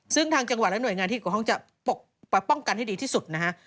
ซึ่งทางจังหวัดและหน่วยงานที่เกี่ยวข้องจะป้องกันให้ดีที่สุดนะฮะ